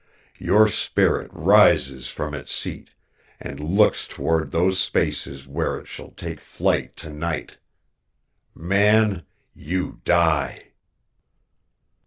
Your spirit rises from its seat and looks toward those spaces where it shall take flight tonight. Man, you die."